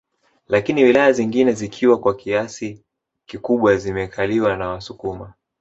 Lakini wilaya zingine zikiwa kwa kiasi kikubwa zimekaliwa na wasukuma